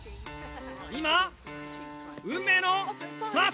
今運命のスタート！